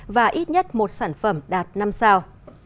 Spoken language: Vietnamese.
và ít nhất một sản phẩm đạt năm sao